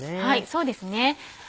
そうですね。